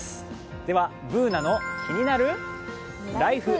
では「ＢｏｏｎａのキニナルＬＩＦＥ」。